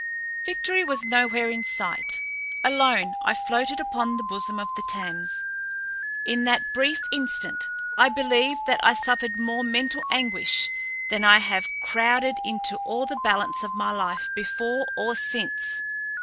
Victory was nowhere in sight. Alone, I floated upon the bosom of the Thames. In that brief instant I believe that I suffered more mental anguish than I have crowded into all the balance of my life before or since.